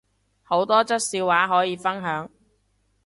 好多則笑話可以分享